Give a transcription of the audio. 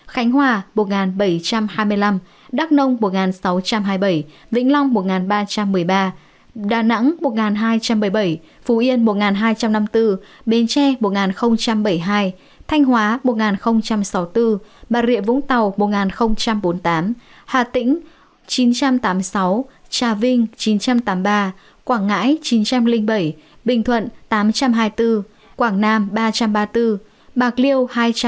khánh hòa một bảy trăm hai mươi năm đắk nông một sáu trăm hai mươi bảy vĩnh long một ba trăm một mươi ba đà nẵng một hai trăm bảy mươi bảy phú yên một hai trăm năm mươi bốn bến tre một bảy mươi hai thanh hóa một sáu mươi bốn bà rịa vũng tàu một bốn mươi tám hà tĩnh chín trăm tám mươi sáu trà vinh chín trăm tám mươi ba quảng ngãi chín trăm linh bảy bình thuận tám trăm hai mươi bốn quảng nam ba trăm ba mươi bốn bạc liêu hai trăm bốn mươi bốn